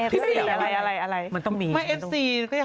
ฟศศอะไรมันต้องมีเอฟซีอะไร